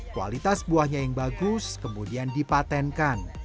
kualitas buahnya yang bagus kemudian dipatenkan